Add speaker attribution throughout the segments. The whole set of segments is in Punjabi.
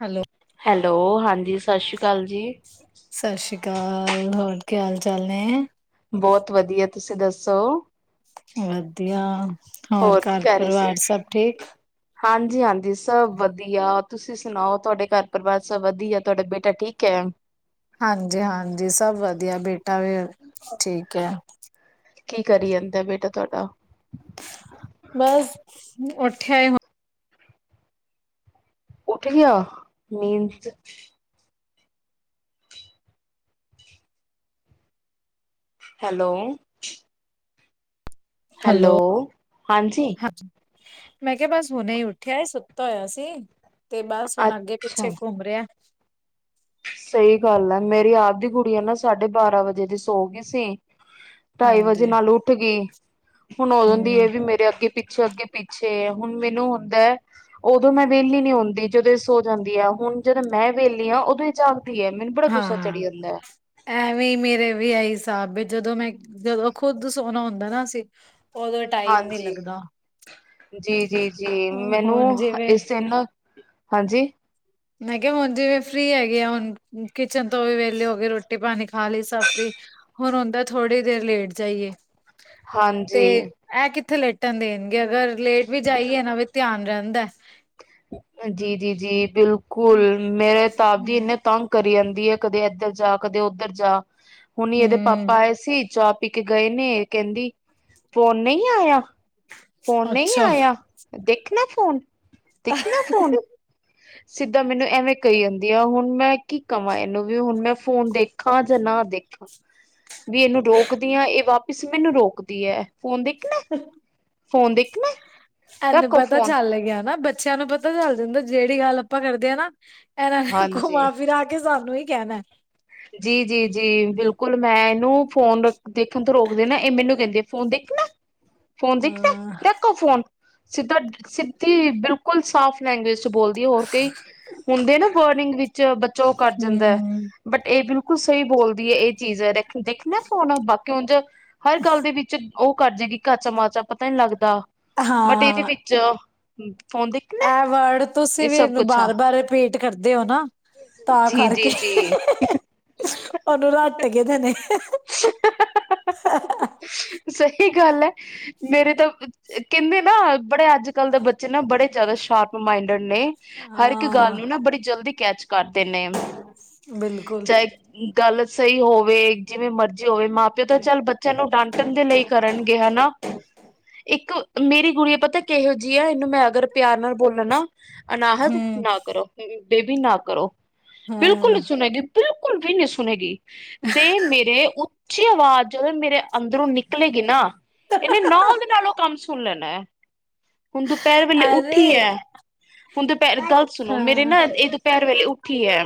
Speaker 1: ਹੈਲੋ,
Speaker 2: ਹੈਲੋ ਹਾਂਜੀ ਸਸ਼੍ਰੀ ਕਾਲ ਜੀ
Speaker 1: ਸਸ਼੍ਰੀ ਕਾਲ ਹੋਰ ਕੀ ਹਾਲ ਚਾਲ ਨੇ
Speaker 2: ਬਹੁਤ ਵਧੀਆ ਤੁਸੀਂ ਦੱਸੋ
Speaker 1: ਵਧੀਆ ਹੋਰ
Speaker 2: ਕੀ
Speaker 1: ਘਰ
Speaker 2: ਕਰ ਰਹੇ
Speaker 1: ਪਰਿਵਾਰ
Speaker 2: ਸੀ
Speaker 1: ਸਭ ਠੀਕ
Speaker 2: ਹਾਂਜੀ ਹਾਂਜੀ ਸਭ ਵਧੀਆ ਤੁਸੀਂ ਸੁਣਾਓ ਤੁਹਾਡੇ ਘਰ ਪਰਿਵਾਰ ਸਭ ਵਧੀਆ ਤੁਹਾਡਾ ਬੇਟਾ ਠੀਕ ਐ
Speaker 1: ਹਾਂਜੀ ਹਾਂਜੀ ਸਭ ਵਧੀਆ ਬੇਟਾ ਵੀ ਠੀਕ ਐ
Speaker 2: ਕੀ ਕਰੀ ਜਾਂਦਾ ਬੇਟਾ ਤੁਹਾਡਾ
Speaker 1: ਬਸ ਉੱਠਿਆ ਹੋ
Speaker 2: ਉੱਠ ਗਿਆ ਨੀਂਦ ਚ ਹੈਲੋ
Speaker 1: ਹੈਲੋ
Speaker 2: ਹਾਂਜੀ
Speaker 1: ਹ ਮੈਂ ਕਿਹਾ ਬਸ ਹੁਣੇ ਹੀ ਉੱਠਿਆ ਸੁੱਤਾ ਹੋਇਆ ਸੀ ਤੇ ਬਸ ਹੁਣ ਅੱਗੇ
Speaker 2: ਅੱਛਾ
Speaker 1: ਪਿੱਛੇ ਘੁੰਮ ਰਿਹਾ ਐ
Speaker 2: ਸਹੀ ਗੱਲ ਹੈ ਮੇਰੀ ਆਪ ਦੀ ਕੁੜੀ ਆ ਨਾ ਸਾਢੇ ਬਾਰਾਂ ਵਜੇ ਦੀ ਸੋ ਗੀ ਸੀ ਢਾਈ ਵਜੇ
Speaker 1: ਹਾਂਜੀ,
Speaker 2: ਨਾਲ ਉੱਠ ਗੀ ਹੁਣ ਉਦੋਂ ਦੀ
Speaker 1: ਹੂੰ,
Speaker 2: ਐਵੀ ਮੇਰੇ ਅੱਗੇ ਪਿੱਛੇ ਅੱਗੇ ਪਿੱਛੇ ਹੁਣ ਮੈਨੂੰ ਹੁੰਦਾ ਐ ਉਦੋਂ ਮੈਂ ਵਿਹਲੀ ਨੀ ਹੁੰਦੀ ਜਦੋਂ ਇਹ ਸੋ ਜਾਂਦੀ ਆ ਹੁਣ ਜਦੋਂ ਮੈਂ ਵਿਹਲੀ ਆਂ ਉਦੋਂ ਇਹ ਜਾਗਦੀ ਹੈ ਮੈ
Speaker 1: ਹਾਂ ਐਵੇਂ ਈ ਮੇਰੇ ਵੀ ਇਹੀ ਹਿਸਾਬ ਜਦੋਂ ਮੈਂ ਜਦੋਂ ਖੁਦ ਸੋਹਣਾ ਹੁੰਦਾ ਨਾ ਅਸੀਂ ਉਦੋਂ ਟਾਈਮ ਨੀ
Speaker 2: ਹਾਂਜੀ
Speaker 1: ਲੱਗਦਾ,
Speaker 2: ਜੀ ਜੀ ਜੀ ਮੈਨੂੰ
Speaker 1: ਹੁਣ ਜਿਵੇਂ
Speaker 2: ਇਸ ਦਿਨ ਹਾਂਜੀ
Speaker 1: ਮੈਂ ਕਿਹਾ ਹੁਣ ਜਿਵੇਂ ਫ੍ਰਰੀ ਹੈਗੇ ਆ ਹੁਣ ਕਿਚਨ ਤੋਂ ਵੀ ਵਿਹਲੇ ਹੋਗੇ ਰੋਟੀ ਪਾਣੀ ਖਾਲੀ ਸਬ ਫਰੀ ਹੁਣ ਹੁੰਦਾ ਥੋੜੀ ਦੇਰ ਲੇਟ ਜਾਈਏ ਤੇ
Speaker 2: ਹਾਂਜੀ
Speaker 1: ਐਹ ਕਿੱਥੇ ਲੇਟਣ ਦੇਣਗੇ ਅਗਰ ਲੇਟ ਵੀ ਜਾਈਏ ਨਾ ਵੀ ਧਿਆਨ ਰਹਿੰਦਾ ਐ
Speaker 2: ਜੀ ਜੀ ਜੀ ਬਿਲਕੁਲ ਮੇਰੇ ਤਾਂ ਆਪ ਜੀ ਇੰਨੇ ਤੰਗ ਕਰੀ ਜਾਂਦੀ ਐ ਕਦੇ ਇੱਧਰ ਜਾ ਕਦੇ ਉੱਧਰ ਜਾ ਹੁਣ ਇਹਦੇ
Speaker 1: ਹੂੰ
Speaker 2: ਪਾਪਾ ਆਏ ਸੀ ਚਾਹ ਪੀ ਕੇ ਗਏ ਨੇ ਕਹਿੰਦੀ ਫੋਨ ਨਹੀਂ ਆਇਆ ਫੋਨ ਨਹੀਂ
Speaker 1: ਅੱਛਾ
Speaker 2: ਆਇਆ ਦੇਖ ਨਾ ਫੋਨ ਦਿਖ ਨਾ ਫੋਨ
Speaker 1: [inaudible]
Speaker 2: ਸਿੱਧਾ ਮੈਨੂੰ ਐਵੇਂ ਕਹੀ ਜਾਂਦੀ ਆ ਹੁਣ ਮੈਂ ਕੀ ਕਵਾਂ ਇਹਨੂੰ ਵੀ ਹੁਣ ਮੈਂ ਫੋਨ ਦੇਖਾਂ ਜਾਂ ਨਾ ਦੇਖ ਵੀ ਇਹਨੂੰ ਰੋਕਦੀ ਆਂ ਇਹ ਵਾਪਿਸ ਮੈਨੂੰ ਰੋਕਦੀ ਐ ਫੋਨ ਦੇਖਣਾ ਐ ਫੋਨ ਦੇਖਣਾ ਐ ਰੱਖੋ ਫੋਨ
Speaker 1: ਲਗਿਆ ਨ ਬੱਚਿਆਂ ਨੂੰ ਪ ਪਤਾ ਚੱਲ ਜਾਂਦਾ ਜਿਹੜੀ ਗੱਲ ਆਪਾਂ ਕਰਦੇ ਆਂ ਨਾ ਇਹਨਾਂ ਨੇ
Speaker 2: ਹਾਂਜੀ
Speaker 1: ਘੁਮਾ ਫਿਰਾ ਕੇ ਸਾਨੂੰ ਹੀ ਕਹਿਣਾ ਐ
Speaker 2: ਜੀ ਜੀ ਜੀ ਬਿਲਕੁਲ ਮੈਂ ਇਹਨੂੰ ਫੋਨ ਦੇਖਣ ਤੋਂ ਰੋਕਦੇ ਨਾ ਇਹ ਮੈਨੂੰ ਕਹਿੰਦੇ ਫੋਨ ਦੇਖ ਨਾ
Speaker 1: ਹ [unintelligible]
Speaker 2: ਫੋਨ ਦੇਖਣਾ ਦੇਖੋ ਫੋਨ ਸਿੱਧਾ ਸਿੱਧੀ ਬਿਲਕੁਲ ਬਿਲਕੁਲ ਸਾਫ ਲੈਂਗਵੇਜ ਚ ਬੋਲਦੀ ਹੈ ਹੋਰ ਕਈ ਹੁੰਦੇ ਨਾ ਵਰਨਿਗ ਵਿੱਚ ਬੱਚਾ ਉਹ ਕਰ ਜਾਂਦਾ ਹੈ।
Speaker 1: ਹੂੰ
Speaker 2: ਬਟ ਇਹ ਬਿਲ ਬਿਲਕੁਲ ਸਹੀ ਬੋਲਦੀ ਹੈ ਇਹ ਚੀਜ਼ ਦੇਖਨਾ ਫੋਨ ਬਾਕੀ ਉਜ ਹਰ ਗੱਲ ਦੇ ਵਿੱਚ ਉਹ ਕਰ ਜੇਗੀ ਕਾਚਾ ਮਾਚਾ ਪਤਾ ਨੀ ਲੱਗਦਾ ਬਟ ਇਹਦੇ
Speaker 1: ਹਾਂ
Speaker 2: ਵਿੱਚ ਫੋਨ ਦੇਖ
Speaker 1: ਇਹ ਵਰਡ ਤੁਸੀਂ ਵੀ ਇਹਨੂੰ ਬਾਰ ਬਾਰ ਰਿਪੀਟ ਕਰਦੇ ਹੋ ਨਾ ਤਾਂ
Speaker 2: ਜੀ
Speaker 1: ਕਰਕੇ।
Speaker 2: ਜੀ ਜੀ
Speaker 1: ਉਹਨੂੰ ਰਟ ਕੇ ਦੇਣੇ।
Speaker 2: [inaudible] ਸਹੀ ਗੱਲ ਹੈ ਮੇਰੇ ਤਾਂ ਕਹਿੰਦੇ ਨਾ ਬੜੇ ਅੱਜ ਕੱਲ ਦੇ ਬੱਚੇ ਨਾ ਬੜੇ ਜਿਆਦਾ ਸ਼ਾਰਪ ਮਾਇੰਡੇਡ ਨੇ ਹਰ ਇੱਕ ਗੱਲ ਨੂੰ
Speaker 1: ਹਾਂ
Speaker 2: ਨਾ ਬੜੀ ਜਲਦੀ ਕੈਚ ਕਰਦੇ ਨੇ
Speaker 1: ਬਿਲਕੁਲ।
Speaker 2: ਚਾਹੇ ਗੱਲ ਸਹੀ ਹੋਵੇ ਜਿਵੇਂ ਮਰਜ਼ੀ ਹੋਵੇ ਮਾਂ ਪਿਓ ਤਾਂ ਚੱਲ ਬੱਚਿਆਂ ਨੂੰ ਡਾਂਟਣ ਦੇ ਲਈ ਕਰਨਗੇ ਹਨਾ। ਇੱਕ ਮੇਰੀ ਗੁੜੀਆ ਪਤਾ ਕਿਹੋ ਜਿਹੀ ਆ ਇਹਨੂੰ ਮੈਂ ਅਗਰ ਪਿਆਰ ਨਾਲ ਬੋਲਾ ਨਾ ਅਨਾਹਦ
Speaker 1: ਹਮ
Speaker 2: ਨਾ ਕਰੋ ਬੇਬੀ ਨਾ ਕਰੋ ਬਿਲਕੁਲ
Speaker 1: ਹਾਂ
Speaker 2: ਮੈ ਕਿਹਾ ਬਿਲਕੁਲ ਵੀ ਨਹੀਂ ਸੁਣੇਗੀ ਦੇ ਮੇਰੀ ਉੱਚੀ ਆਵਾਜ਼ ਜਦੋਂ ਮੇਰੇ ਅੰਦਰੋਂ ਨਿਕਲੇਗੀ ਨਾ ਇਹਨੇ ਨਾਲ ਉ ਨਾਲੋਂ ਉਹ ਕੰਮ ਸੁਣ ਲੈਣਾ ਏ। ਹੁਣ ਦੁਪਹਿਰ ਵੇਲੇ
Speaker 1: ਅਰੇ
Speaker 2: ਉੱਠੀ ਹੈ ਹੁਣ ਦੁਪਹਿਰ ਗੱਲ ਸੁਣੋ ਮੇਰੇ
Speaker 1: ਹਾਂ
Speaker 2: ਨਾ ਇਹ ਦੁਪਹਿਰ ਵੇਲੇ ਉਠ ਉਠੀ ਹੈ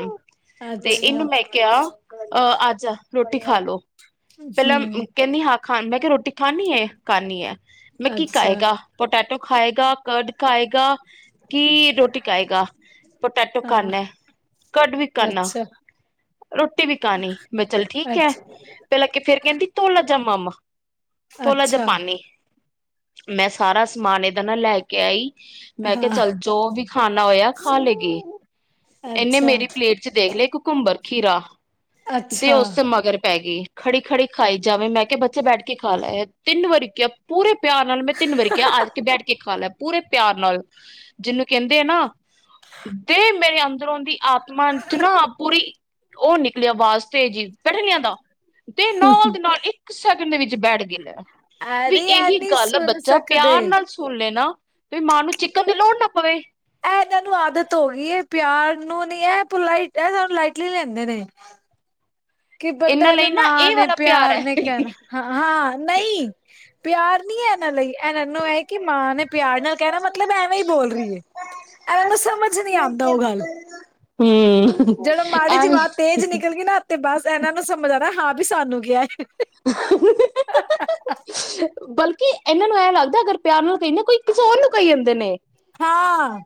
Speaker 2: ਤੇ
Speaker 1: ਅੱਛਾ
Speaker 2: ਇਹਨੂੰ ਮੈਂ ਕਿਹਾ ਆਜਾ ਰੋਟੀ ਖਾ ਲੋ ਪਹਿਲਾਂ
Speaker 1: ਹਮ
Speaker 2: ਕਹਿੰਦੀ ਹਾਂ ਖਾ ਮੈਂ ਕਿਹਾ ਰੋਟੀ ਖਾਣੀ ਏ ਖਾਨੀ ਹੈ ਮੈਂ ਕੀ
Speaker 1: ਅੱਛਾ
Speaker 2: ਖਾਏਗਾ ਪੋਟੈਟੋ ਖਾਏਗਾ ਕਰਡ ਖਾਏਗਾ ਕੀ ਰੋਟੀ ਖਾਏਗਾ ਪੋਟੈਟੋ
Speaker 1: ਹਾਂ
Speaker 2: ਖਾਨਾ ਕਰਡ ਵੀ ਕਰਨਾ।
Speaker 1: ਅੱਛਾ
Speaker 2: ਰੋਟੀ ਵੀ ਖਾਣੀ ਮੈਂ ਚੱਲ ਠੀਕ ਹੈ।
Speaker 1: ਅੱਛਾ
Speaker 2: ਫੇਰ ਅੱਗੇ ਫੇਰ ਕਹਿੰਦੀ ਤੋਲਾ ਜਾ ਮਾਮ ਥੋਲਾ ਜ
Speaker 1: ਅੱਛਾ
Speaker 2: ਪਾਨੀ ਮੈਂ ਸਾਰਾ ਸਮਾਨ ਏਦਾਂ ਦਾ ਨਾ ਮੈ ਲੈ ਕੇ ਆਈ। ਮੈਂ ਕਿਹਾ
Speaker 1: ਹਾਂ
Speaker 2: ਚੱਲ ਜੋ ਵੀ ਖਾਣਾ ਹੋਇਆ ਖਾ ਲੇਗੀ ਇਹਨੇ
Speaker 1: ਅੱਛਾ
Speaker 2: ਮੇਰੀ ਪਲੇਟ ਦੇਖ ਲਏ ਇੱਕ ਘੁੰਬਰ ਖੀਰਾ ਦੇ
Speaker 1: ਅੱਛਾ
Speaker 2: ਉਸ ਮਗਰ ਪੈ ਗਈ। ਖੜੀ ਖੜੀ ਖਾਈ ਜਾਵੇ ਮੈਂ ਕਿਹਾ ਬੱਚੇ ਬੈਠ ਕੇ ਖਾ ਲੈ। ਤਿੰਨ ਵਾਰੀ ਕਿਹਾ ਪੂਰੇ ਪਿਆਰ ਨਾਲ ਮੈਂ ਤਿੰਨ ਵਾਰੀ ਕਿਹਾ ਆ ਕੇ ਬੈਠ ਕੇ ਖਾ ਲੈ ਪੂਰੇ ਪਿਆਰ ਨਾਲ ਜਿਹਨੂੰ ਕਹਿੰਦੇ ਆ ਨਾ ਦੇ ਮੇਰੇ ਅੰਦਰੋਂ ਰੀ ਆਤਮਾ ਚ ਨਾ ਪੂਰੀ ਉਹ ਨਿਕਲਿਆ ਆਵਾਜ਼ ਤੇਜ ਬੈਠਾ ਨਹੀਂ ਜਾਂਦਾ। ਤੇ ਨਾਲ ਦੀ ਨਾਲ ਇੱਕ ਸੈਕਿੰਡ ਦੇ ਵਿੱਚ ਬੈਠ ਗਈ। ਵੀ
Speaker 1: ਅਰੇ ਐ
Speaker 2: ਇਹੀ
Speaker 1: ਨਹੀਂ
Speaker 2: ਗੱਲ
Speaker 1: ਸੁਣ
Speaker 2: ਬੱਚਾ
Speaker 1: ਸਕਦੇ
Speaker 2: ਪਿਆਰ
Speaker 1: ਇਹ
Speaker 2: ਨਾਲ ਸੁਨੇ ਨਾ ਤੇ ਮਾਂ ਨੂੰ ਚਿੱਕਣ ਦੀ ਲੋੜ ਨਾ ਪਵੇ।
Speaker 1: ਇਹ ਇਹਨਾਂ ਨੂੰ ਆਦਤ ਹੋ ਗਈ ਹੈ ਪਿਆਰ ਨੂੰ ਨੀ ਇਹ ਲਟ ਇਹ ਲਾਈਟਲੀ ਲੈਂਦੇ ਨੇ। ਕੀ
Speaker 2: ਇਹਨਾਂ
Speaker 1: ਪਤਾ ਵੀ
Speaker 2: ਲਈ ਨਾ
Speaker 1: ਮਾਂ
Speaker 2: ਇਹ
Speaker 1: ਨੇ
Speaker 2: ਵਾਲਾ
Speaker 1: ਪਿਆਰ
Speaker 2: ਹੈ
Speaker 1: ਨੇ ਕਰਨਾ ਹਾਂ ਨਹੀਂ। ਪਿਆਰ ਨੀ ਹੈ। ਇਹਨਾਂ ਲਈ ਇਹਨਾਂ ਨੂੰ ਇਹ ਕਿ ਮਾਂ ਨੇ ਪਿਆਰ ਨਾਲ ਕਹਿਣਾ ਮਤਲਬ ਐਵੇਂ ਹੀ ਬੋਲ ਰਹੀਏ। ਇਹਨਾਂ ਨੂੰ ਸਮਝ ਨਹੀਂ ਆਉਂਦਾ ਉਹ ਗਲ।
Speaker 2: ਹੂੰ
Speaker 1: ਜਦੋ ਮਾੜੀ ਜਹੀ
Speaker 2: ਐਵੇਂ
Speaker 1: ਅਵਾਜ ਤੇਜ਼ ਨਿਕਲ ਗਈ ਨਾ ਤੇ ਬਸ ਇਹਨਾਂ ਨੂੰ ਸਮਝ ਆਉਣਾ ਹਾਂ ਵੀ ਸਾਨੂੰ ਕਿਹਾ ਹੈ।
Speaker 2: ਬਲ। ਕਿ ਇਹਨਾਂ ਨੂੰ ਐਂ ਲੱਗਦਾ ਅਗਰ ਪਿਆਰ ਨਾਲ ਕਹਿੰਦੇ ਕੋਈ ਕਿਸੇ ਹੋਰ ਨੂੰ ਕਹੀ ਜਾਂਦੇ ਨੇ।
Speaker 1: ਹਾਂ।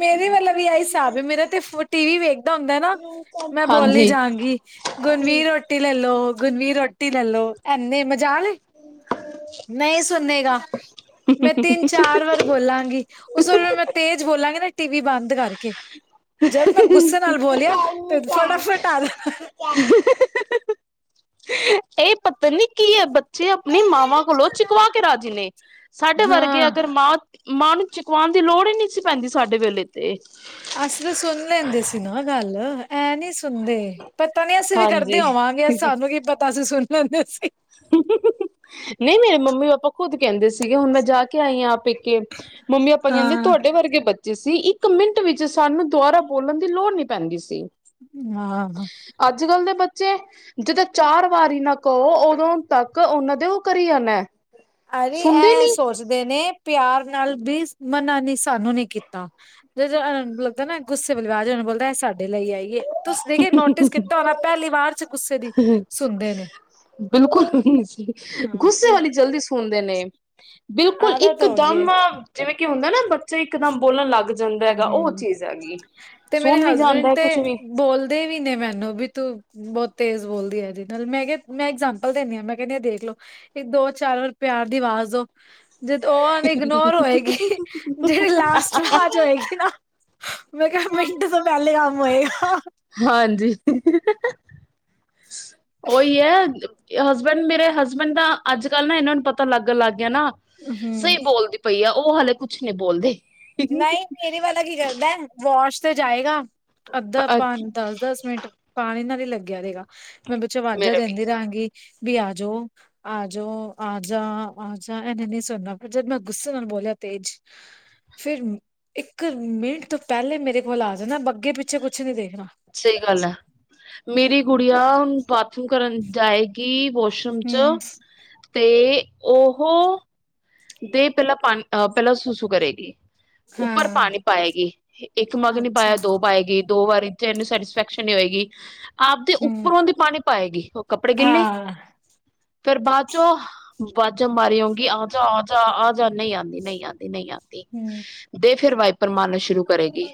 Speaker 1: ਮੇਰੇ ਵੱਲੋ ਵੀ ਆ ਹਿਸਾਬ ਹੈ। ਮੇਰਾ ਤੇ ਟੀ ਵੀ ਵੇਖ। ਏਦਾਂ ਹੁੰਦਾ ਨਾ ਮੈਂ ਬੋਲੀ ਹੀ
Speaker 2: ਹਾਂਜੀ।
Speaker 1: ਜਾਵਾਂਗੀ ਗੁਣਵੀਰ ਰੋਟੀ ਲੈ ਲੋ ਗੁਣਵੀਰ ਰੋਟੀ। ਰੋਟੀ ਲੈਲੋ ਐਨੇ ਮਜ਼ਾਾਲ ਏ। ਨਹੀਂ ਸੁਨੇਗਾ ਮੈਂ ਤਿੰਨ ਚਾਰ ਵਾਰ। ਬੋਲਾਂਗੀ ਉਸ ਵੇਲੇ ਮੈਂ ਤੇਜ਼ ਬੋਲਾਂਗੀ ਨਾ। ਟੀ ਵੀ ਬੰਦ ਕਰਕੇ ਜਦ ਮੈਂ ਗੁੱਸੇ ਨਾਲ ਬੋਲਿਆ ਤੇ ਫਟਾਫਟ ਆਦਾ।
Speaker 2: ਇਹ ਪਤਾ ਨੀ ਕੀ ਏ ਪ। ਜੇ ਬੱਚੇ ਆਪਣੀ ਮਾਵਾਂ ਕੋਲੋਂ ਚੁਕਵਾ ਕੇ ਰਾਜੀ ਨੇ ਸਾਡੇ ਵਰਗੇ
Speaker 1: ਹਾਂ
Speaker 2: ਅਗਰ ਮਾਂ। ਮਾਂ ਨੂੰ ਚੁਕਵਾਉਣ ਦੀ ਲੋੜ ਹੀ ਨਹੀਂ ਸੀ ਪੈਂਦੀ ਸਾਡੇ ਵੇਲੇ ਤੇ।
Speaker 1: ਅਸੀ ਤਾਂ ਸੁਣ ਲੈਂਦੇ ਸੀ ਨਾ ਗੱਲ ਐ ਨੀ ਸੁਣਦੇ। ਪਤਾ ਨੀ ਅਸੀਂ ਵੀ ਕਰਦੇ
Speaker 2: ਹਾਂਜੀ।
Speaker 1: ਹੋਵਾਂਗੇ ਸਾਨੂੰ ਕੀ ਪਤਾ ਸੀ ਸੁਣ ਲੈਂਦੇ ਸੀ।
Speaker 2: ਨਹੀਂ ਮੇਰੇ ਮੰਮੀ ਪਾਪਾ। ਖੁਦ ਕਹਿੰਦੇ ਸੀਗੇ ਹੁਣ ਮੈਂ ਜਾ ਕੇ ਆਈ ਹਾਂ ਪੇਕੇ ਮੰਮੀ ਪਾਪਾ ਕਹਿੰਦੇ
Speaker 1: ਹਾਂ
Speaker 2: ਤੁਹਾਡੇ ਵਰਗੇ ਬਚ। ਜੀਸੀ ਇੱਕ ਮਿੰਟ ਵਿੱਚ ਸਾਨੂੰ ਦੁਬਾਰਰਾ ਬੋਲਣ ਦੀ ਲੋੜ ਨਈ ਪੈਂਦੀ ਸੀ।
Speaker 1: ਹਾਂ।
Speaker 2: ਅੱਜ ਕੱਲ ਦੇ ਬੱਚੇ ਜਿਦਾਂ ਚਾਰ ਵਾਰੀ ਨਾ ਕਹੋ ਉਹ। ਉਦੋਂ ਤੱਕ ਉਹਨਾਂ ਦੇ ਉਹ ਕਰੀ ਜਾਣਾ।
Speaker 1: ਅਰੇ
Speaker 2: ਸੁਣਦੇ
Speaker 1: ਇਹ
Speaker 2: ਨੀ
Speaker 1: ਸੋਚਦੇ ਨੇ ਪਿਆਰ ਨਾਲ ਵੀ ਮਨਾ ਨਈ ਸਾਨੂੰ ਨਈ ਕੀਤਾ। ਜਦੋਂ ਲੱਗਦਾ ਨਾ ਗੁੱਸੇ ਬਵਾਜ਼ ਉਹਨੂੰ ਬੋਲਦਾ ਸਾਡੇ ਲਈ ਆਈਏ। ਤੁਸੀ ਦੇਖ ਨੋਟਿਸ ਕੀਤਾ ਹੋਣਾ ਪਹਿਲੀ ਵਾਰ ਚ ਗੁੱਸੇ ਦੀ ਸੁਣਦੇ ਨੇ।
Speaker 2: ਬਿਲਕੁਲ ਗੁੱਸੇ
Speaker 1: ਹਾਂ
Speaker 2: ਵਾਲੀ ਜਲਦੀ ਸੁਣਦੇ ਨੇ। ਬਿਲਕੁਲ
Speaker 1: ਆਦਤ
Speaker 2: ਇੱਕ
Speaker 1: ਹੋ ਗਈ
Speaker 2: ਦਮ ਜਿਵੇਂ ਕਿ ਹੁੰਦਾ ਨਾ ਬੱਚੇ ਇੱਕ ਦਮ ਬੋਲਣ ਲੱਗ। ਜਾਂਦਾ ਹੈਗਾ ਉਹ
Speaker 1: ਹੂੰ
Speaker 2: ਚੀਜ਼ ਹੈਗੀ
Speaker 1: ਤੇ ਮੇਰੇ
Speaker 2: ਸੁਣ ਵੀ ਜਾਂਦਾ
Speaker 1: ਹਸਬੈਂਡ
Speaker 2: ਹੈ
Speaker 1: ਤੇ
Speaker 2: ਕੁਛ ਵੀ
Speaker 1: ਬੋਲਦੇ ਵੀ ਨੇ ਮੈਨੂੰ ਵੀ ਤੂੰ। ਬਹੁਤ ਤੇਜ਼ ਬੋਲਦੀ ਏ ਜਿੰਦਲ ਮੈਂ ਕਿਹਾ ਮੈਂ ਇਗਜਾਮਪਲ ਦਿੰਦੀ ਹਾਂ ਮੈਂ ਕਹਿੰਦੀ ਹਾਂ ਦੇਖ ਲੋੋ। ਇਹ ਦੋ ਚਾਰ ਵਾਰ ਪਿਆਰ ਦੀ ਆਵਾਜ਼ ਦਿਓ। ਜਦ ਉਹ ਇਗਨੋਰ ਹੋਏਗੀ ਜਿਹੜੀ ਲਾਸਟ ਵਾਜ ਹੋਏਗੀ ਨਾ। ਮੈਂ ਕਿਹਾ ਮਿੰਟ ਤੋਂ ਪਹਿਲੇ ਕੰਮ ਹੋਏਗਾ।
Speaker 2: ਹਾਂਜੀ। ਉਹੀ ਹੈ ਹਸਬੈਂਡ ਮੇਰੇ ਹਸਬੈਂਡ ਦਾ ਅੱਜ ਕੱਲ ਨਾ ਇਹਨਾਂ ਨੂੰ ਪਤਾ ਲੱਗਣ ਲੱਗ ਗਿਆ ਨਾ
Speaker 1: ਹੂੰ
Speaker 2: ਸਹੀ ਬੋਲਦੀ ਪਈ ਆ, ਉਹ ਹਾਲੇ ਕੁਛ ਨਹੀਂ ਬੋਲਦੇ
Speaker 1: ਨਹੀਂ ਮੇਰੇ ਵਾਲਾ ਕੀ ਕਰਦਾ ਪਹੁੰਚ ਤੇ ਜਾਏਗਾ, ਅੱਧਾ ਆਪਾਂ ਦਸ ਦਸ ਮਿੰਟ ਪਾਣੀ ਨਾਲ ਹੀ ਲੱਗਿਆ ਰਹੇਗਾ, ਮੈਂ ਪਿਛੋਂ ਵਾਜ਼ਾਂ
Speaker 2: ਮੇਰੇ ਵੀ
Speaker 1: ਦਿੰਦੀ ਰਹਾਂਗੀ ਵੀ ਆ ਜਾਓ ਆ ਜਾਓ, ਆ ਜਾ -ਆ ਜਾ ਇਹਨੇ ਨਹੀਂ ਸੁਣਨਾ, ਪਰ ਜਦ ਮੈਂ ਗੁੱਸੇ ਨਾਲ ਬੋਲਿਆ ਤੇਜ ਫੇਰ ਇੱਕ ਮਿੰਟ ਤੋਂ ਪਹਿਲੇ ਮੇਰੇ ਕੋਲ ਆ ਜਾਂਦਾ, ਅੱਗੇ ਪਿੱਛੇ ਕੁਛ ਨਹੀਂ ਦੇਖਣਾ
Speaker 2: ਸਹੀ ਗੱਲ ਹੈ, ਮੇਰੀ ਗੁੜੀਆ ਬਾਥਰੂਮ ਕਰਨ ਜਾਏਗੀ ਵੋਸ਼ ਰੂਮ ਚ
Speaker 1: ਹੂੰ
Speaker 2: ਤੇ ਉਹ ਤੇ ਪਹਿਲਾਂ ਪਾਣੀ, ਅਹ ਪਹਿਲਾਂ ਸੁਸੂ ਕਰੇਗੀ ਉੱਪਰ
Speaker 1: ਹਾਂ
Speaker 2: ਪਾਣੀ ਪਾਏਗੀ, ਇੱਕ ਮਗਨੀ
Speaker 1: ਅੱਛਾ
Speaker 2: ਪਾਇਆ ਦੋ ਪਾਏਗੀ ਦੋ ਵਾਰੀ ਤੇ ਇਹਨੂੰ ਸੈਟਿਸਫੈਕਸ਼ਨ ਨਹੀਂ ਹੋਏਗੀ ਆਪਦੇ
Speaker 1: ਹੂੰ
Speaker 2: ਉੱਪਰੋਂ ਦੀ ਪਾਣੀ ਪਾਏਗੀ ਉਹ ਕੱਪੜੇ ਗਿੱਲੇ
Speaker 1: ਹਾਂ
Speaker 2: ਫੇਰ ਬਾਦ ਚੋਂ ਵਾਜਾ ਮਾਰੀ ਆਉਂਗੀ ਆ ਜਾ -ਆ ਜਾ- ਆ ਜਾ ਨਹੀਂ ਆਦੀ- ਨਹੀਂ ਆਦੀ -ਨਹੀਂ ਆਦੀ
Speaker 1: ਹੂੰ
Speaker 2: ਦੇ ਫੇਰ ਵਾਈਪਰ ਮਾਰਨਾ ਸ਼ੁਰੂ ਕਰੇਗੀ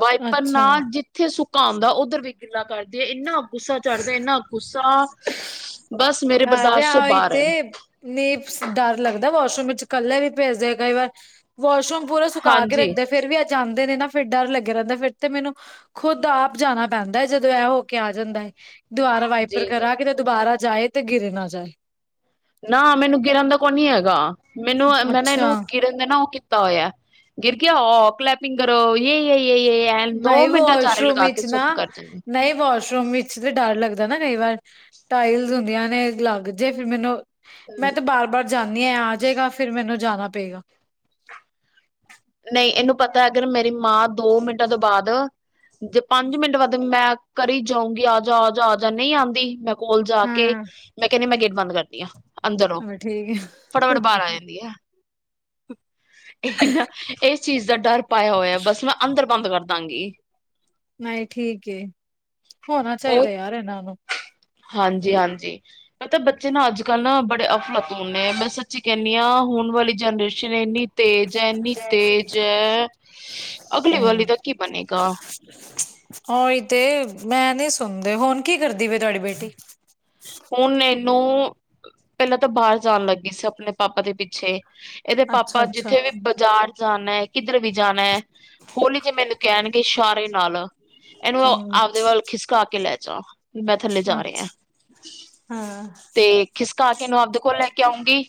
Speaker 2: ਵਾਈਪਰ
Speaker 1: ਅੱਛਾ
Speaker 2: ਨਾਲ ਜਿੱ ਫੇਰ ਸੁੱਕਾ ਆਉਂਦਾ, ਉੱਧਰ ਵੀ ਗਿੱਲਾ ਕਰਦੀ ਹੈ, ਇੰਨਾ ਗੁੱਸਾ ਚੜਦਾ ਇੰਨਾ ਗੁੱਸਾ ਬਸ ਮੇਰੇ
Speaker 1: ਅਰੇ ਆ
Speaker 2: ਬਰਦਾਸ਼ਤ
Speaker 1: ਓਹੀ
Speaker 2: ਬਾਹਰ ਹੈ
Speaker 1: ਤੇ ਡਰ ਲੱਗਦਾ, ਵਾਸ਼ਰੂਮ ਵਿੱਚ ਕੱਲਾ ਵੀ ਪੇਜਦੇ ਕਈ ਵਾਰ ਵਾਸ਼ਰੂਮ ਪੂਰਾ ਸੁਕਾ ਕੇ
Speaker 2: ਹਾਂਜੀ
Speaker 1: ਰੱਖਦੇ ਫਿਰ ਵੀ ਐ ਜਾਂਦੇ ਨੇ ਨਾ ਫਿਰ ਡਰ ਲੱਗਿਆ ਰੈੰਦਾ ਫਿਰ ਤੇ ਮੇਨੂੰ ਖੁੱਦ ਆਪ ਜਾਣਾ ਪੈਂਦਾ ਜਦੋਂ ਐ ਹੋ ਕੇ ਆ ਜਾਂਦਾ ਈ। ਦੋਬਾਰਾ ਵਾਈਪਰ
Speaker 2: ਜੀ ਜੀ
Speaker 1: ਕਰਾ ਕਿਤੇ ਦੋਬਾਰਾ ਜਾਏ ਤੇ ਗਿਰ ਨਾ ਜਾਏ।
Speaker 2: ਨਾ ਮੈਨੂੰ ਗਿਰਨ ਦਾ ਕੋਈ ਨੀ ਹੈਗਾ ਮੈਨੂੰ ਐ ਨਾ ਐ ਨਾ
Speaker 1: ਅੱਛਾ
Speaker 2: ਏੱਨੂੰ ਗਿਰਨ ਮੈ‌ ਨਾ ਓ ਕੀਤਾ ਹੋਯਾ ਗਿਰ ਗਿਆ ਔ ਕਲੈਪ ਨਿੰਗਰੋ ਯੈ ਯੈ ਯੈ ਯੈ ਦੋ ਮਿੰਟਾਂ ਚਾਰੇ ਲਗਾ ਕੇ ਚੁੱਪ ਕਰ ਜਾਂਦੇ।
Speaker 1: ਨਏ ਵੋਸ਼ ਰੂਮ ਵਿੱਚ ਤੇ ਡਰ ਲੱਗਦਾ ਨਾ ਕਈ ਵਾਰ ਟਾਇਲਸ ਹੁੰਦੀਆਂ, ਨੇ ਲੱਗ ਜੇ ਫਿਰ ਮੈਨੂੰ ਮੈਂ ਤੇ ਬਾਰ-ਬਾਰ ਜਾਣੀ ਆ ਐ ਆਜੇਗਾ ਫਿਰ ਮੈਨੂੰ ਜਾਣਾ ਪਏਗਾ।
Speaker 2: ਨਈ ਏਨੂੰ ਪਤਾ ਅਗਰ ਮੇਰੀ ਮਾਂ ਦੋ ਮਿੰਟਾਂ ਤੋਂ ਬਾਅਦ ਜੇ ਪੰਜ ਮਿੰਟ ਬਾਦ ਮੈਂ ਕਰੀਂ ਜਾਊਂਗੀ ਆਜਾ-ਆਜਾ-ਆਜਾ ਨਹੀਂ ਆਂਦੀ ਮੈਂ ਕੋਲ ਜਾ ਕੇ
Speaker 1: ਹਾਂ
Speaker 2: ਮੈਂ ਕੈਣੀ ਮੈਂ ਗੇਟ ਬੰਦ ਕਰਨੀ ਆ। ਅੰਦਰੋ
Speaker 1: ਠੀਕ
Speaker 2: ਫਟਾਫਟ
Speaker 1: ਹੈ
Speaker 2: ਬਾਰ ਆ ਜਾਂਦੀ ਏ ਏਹ ਨਾ ਏਸ ਚੀਜ਼ ਦਾ ਡਰ ਪਾਯਾ ਹੋਯਾ ਬਸ ਮੈਂ ਅੰਦਰ ਬੰਦ ਕਰਦਾਂਗੀ।
Speaker 1: ਨਈ ਠੀਕ ਏ ਹੋਣਾ ਚਾਇਦਾ ਯਾਰ ਏਨਾਂ ਨੂੰ।
Speaker 2: ਹਾਂਜੀ-ਹਾਂਜੀ। ਮਤਲਬ ਬੱਚੇ ਨਾ ਅੱਜ-ਕੱਲ ਨਾ ਬੜੇ ਅਫਲਾਤੂਨ ਨੇ, ਮੈਂ ਸੱਚੀ ਕੈਣੀ ਆ ਹੁਣ ਵਾਲੀ ਜਨਰੇਸ਼ਨ ਏਨੀ ਤੇਜ ਐ-ਏਨੀ ਤੇਜ ਐ ਅਗਲੇ ਵਾਲੀ ਦਾ ਕੀ ਬਣੇਗਾ?
Speaker 1: ਉਈ ਤੇ ਮੈਂ ਨੀ ਸੁਣਦੇ ਹੁਣ ਕੀ ਕਰਦੀ ਪਈ ਏ ਤੁਆਡੀ ਬੇਟੀ?
Speaker 2: ਹੁਣ ਏਨੂੰ ਪੈਲਾਂ ਤਾ ਬਾਹਰ ਜਾਣ ਲੱਗੀ ਸੀ ਅਪਣੇ ਪਾਪਾ ਦੇ ਪਿੱਛੇ ਏਦੇ ਪਾਪਾ
Speaker 1: ਅੱਛਾ-ਅੱਛਾ
Speaker 2: ਜਿੱਥੇ ਵੀ ਬਾਜ਼ਾਰ ਜਾਣਾ ਕਿੱਧਰੇ ਵੀ ਜਾਣਾ ਹੋਲੀ ਜੇ ਮੈਨੂੰ ਕੈਣ ਇਸ਼ਾਰੇ ਨਾਲ ਏਨੂੰ
Speaker 1: ਹੂੰ
Speaker 2: ਆਪਦੇ ਵੱਲ ਖਿਸਕਾ ਕੇ ਲੈ ਜਾ ਮੈਂ ਥੱਲੇ ਜਾ ਰੇਆ।
Speaker 1: ਹੂੰ।
Speaker 2: ਖਿਸਕਾ ਕੇ ਏਨੂੰ ਆਪਦੇ ਕੋਲ ਲੈ ਕੇ ਆਉਂਗੀ,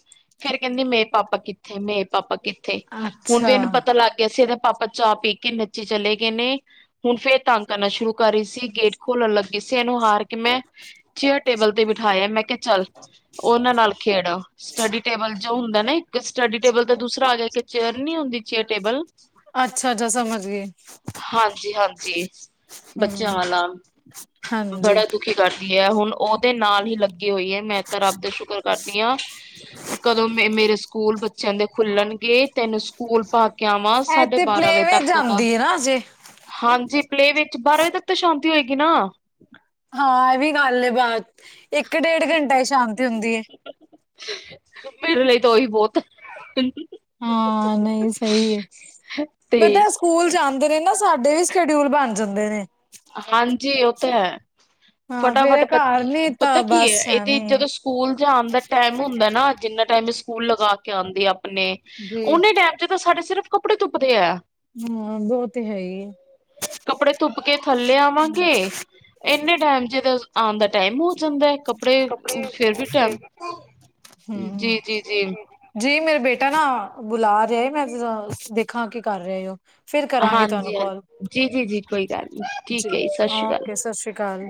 Speaker 2: ਫੇਰ ਕੈੰਦੀ ਏ ਮੇ ਪਾਪਾ ਕਿੱਥੇ-ਮੇ ਪਾਪਾ ਕਿੱਥੇ? ਥੇ ਹੁਣ ਵੀ ਏਨੂੰ ਪਤਾ
Speaker 1: ਅੱਛਾ-ਅੱਛਾ-ਅੱਛਾ
Speaker 2: ਲੱਗ ਗਯਾ ਸੀ, ਏਦੇ ਪਾਪਾ ਚਾਹ ਪੀ ਕੇ ਨੀਚੇ ਚਲੇਗੇ ਨੇ। ਹੁਣ ਫੇਰ ਤੰਗ ਕਰਨਾ ਸ਼ੁਰੂ ਕਰ ਰੀ ਸੀ, ਗੇਟ ਖੋਲਣ ਲੱਗੀ ਸੀ ਏਨੂੰ ਹਾਰ ਕੇ ਮੈਂ ਚੇਅਰ ਟੇਬਲ ਤੇ ਬਿਠਾਇਆ, ਮੈਂ ਕਿਹਾ ਚੱਲ ਓਨਾਂ ਨਾਲ ਖੇਡ ਸਟੱਡੀ ਟੇਬਲ ਜੋ ਹੁੰਦਾ ਨਾ ਤੇ ਸਟੱਡੀ ਟੇਬਲ ਤੇ ਦੂਸਰਾ ਆ ਗਯਾ, ਇੱਕ ਚੇਅਰ ਨੀ ਹੁੰਦੀ ਚੇਅਰ-ਟੇਬਲ
Speaker 1: ਸਮਝ ਗਈ।
Speaker 2: ਹਾਂਜੀ-ਹਾਂਜੀ।
Speaker 1: ਹੂੰ
Speaker 2: ਬੱਚੇਆਂ ਆਲਾ
Speaker 1: ਹਾਂਜੀ।
Speaker 2: ਬੜਾ ਦੁਖੀ ਕਰਦੀ ਐਂ ਹੁਣ ਓਦੇ ਨਾਲ ਈ ਲੱ ਗੀ ਹੋਈ ਐ। ਮੈਂ ਤਾਂ ਰੱਬ ਦਾ ਸ਼ੁਕਰ ਕਰਦੀ ਆ, ਕਦੋਂ ਮ ਮੇਰੇ ਸਕੂਲ‌ ਬ ਬੱਚੇਆਂ ਦੇ ਖੁੱਲਣ ਗੇ ਤੇ ਐਨੂੰ ਸਕੂਲ ਪਾ ਕੇ ਆਵਾਂ
Speaker 1: ਐ
Speaker 2: ਸਾਢੇ
Speaker 1: ਤੇ
Speaker 2: ਬਾਰਾਂ ਵਜੇ
Speaker 1: ਪਲੇਵੇ
Speaker 2: ਤੱਕ ਤਾਂ
Speaker 1: ਜਾਂਦੀ ਹੈ ਨਾ ਅਜੇ।
Speaker 2: ਹਾਂਜੀ ਪਲੇਵੇ ਚ ਬਾਰਾਂ ਵਜੇ ਤੱਕ ਤਾਂ ਸ਼ਾਂਤੀ ਹੋਏਗੀ ਨਾ।
Speaker 1: ਹਾਂ ਐ ਵੀ ਗੱਲ ਏ ਬਾਤ ਇੱਕ-ਡੇਢ ਘੰਟਾ ਈ ਸ਼ਾਂਤੀ ਹੁੰਦੀ ਏ।
Speaker 2: ਮੇਰੇ ਲਈ ਤਾਂ ਓਈ ਬੋਤ ਆ।
Speaker 1: ਹਾਂ ਨਈ ਸਈ ਵਿੱਚ
Speaker 2: ਤੇ
Speaker 1: ਪਤਾ ਸ ਸਕੂਲ ਜਾਂਦੇ ਰੇ ਨਾ ਸਾਡੇ ਵੀ ਸ਼ਐਡਿਊਲ ਬਣ ਜਾਂਦੇ ਨੇ।
Speaker 2: ਹਾਂਜੀ ਓ ਤੇ ਹੈ।
Speaker 1: ਹਾਂ ਫੇਰ
Speaker 2: ਫਟਾਫਟ
Speaker 1: ਐ
Speaker 2: ਪ
Speaker 1: ਕਾੱਰ
Speaker 2: ਪਤਾ ਕੀ ਏ ਏਦੀ ਜਦੋਂ ਸਕੂਲ ਜਾਣ ਦਾ ਟੈਮ ਹੁੰਦਾ ਨਾ ਜਿੰਨਾ ਟੈਮ ਐ ਸਕੂਲ ਲਗਾ ਕੇ ਆਂਦੀ ਆਪਣੇ
Speaker 1: ਜੀ
Speaker 2: ਓਨੇ ਟੈਮ ਚ ਤਾਂ ਸਾਡੇ ਸਿਰਫ ਕੱਪੜੇ ਧੁੱਪਦੇ ਐ।
Speaker 1: ਹਾਂ ਬੋ ਤੇ ਹੈ ਈ ਏ।
Speaker 2: ਕੱਪੜੇ ਧੁੱਪ ਕੇ ਥੱਲੇ ਆਵਾਂਗੇ ਇੰਨੇ ਟੈਮ 'ਚ ਆਣ ਦਾ ਟੈਮ ਹੋ ਜਾਂਦਾ ਐ ਕੱਪੜੇ ਫਿਰ ਵੀ ਟੈਮ
Speaker 1: ਹਮ
Speaker 2: ਜੀ-ਜੀ-ਜੀ।
Speaker 1: ਜੀ ਮੇਰਾ ਬੇਟਾ ਨਾ ਬੁਲਾ ਰਿਆ ਮੈਂ ਦੇਖਾਂ ਕੀ ਕਰ ਰਏ ਓ। ਫਿਰ ਕਰਾਂਗੀ ਤੁਹਾਨੂੰ
Speaker 2: ਹਾਂਜੀ ਹਾਂਜੀ
Speaker 1: ਕਾੱਲ
Speaker 2: ਜੀ ਜੀ ਜੀ ਕੋਈ ਗੱਲ ਨੀ
Speaker 1: ਜੀ
Speaker 2: ਠੀਕ ਹੈ ਸਤਿ ਸ਼੍ਰੀ ਅਕਾਲ
Speaker 1: ਓਕੇ ਸਤਿ ਸ੍ਰੀ ਅਕਾਲ।